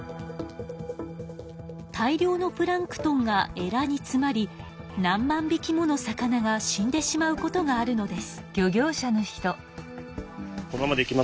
大量のプランクトンがエラにつまり何万びきもの魚が死んでしまうことがあるのです。